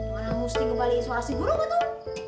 mana mesti kembali isolasi guru betul